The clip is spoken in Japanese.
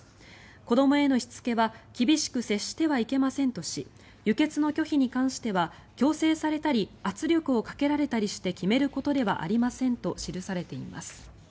子どもへのしつけは厳しく接してはいけませんとし輸血の拒否に関しては強制されたり圧力をかけられたりして決めることではありませんと記されています。